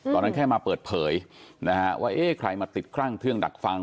ตอนนั้นแค่มาเปิดเผยว่าเอ๊ะใครมาติดครั่งเครื่องดักฟัง